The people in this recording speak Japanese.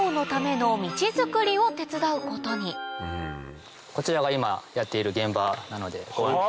ことにこちらが今やっている現場なので。